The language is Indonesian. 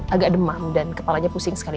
agak demam dan kepalanya pusing sekali